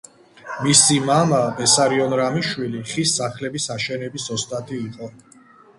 მისი მამა, ბესარიონ რამიშვილი, ხის სახლების აშენების ოსტატი იყო.